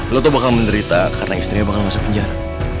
lu tuh bakal menderita karena istrinya bakal masuk penjara